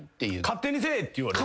「勝手にせえ！」って言われる。